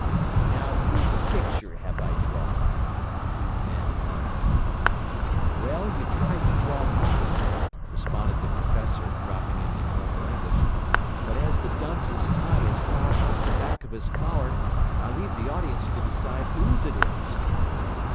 "Now whose picture have I drawn?" he demanded loudly. "Well, you tried to draw mine," responded the professor, dropping into normal English, "but as the dunce's tie is far up the back of his collar, I leave the audience to decide whose it is."